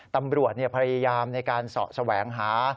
ตำรวจพยายามในการเสาะแสวงหา